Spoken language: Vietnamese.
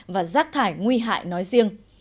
và rác thải nguy hại nói riêng